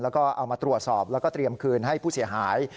แล้วก็เอามาตรวจสอบแล้วก็เตรียมคืนให้ผู้เสียหาย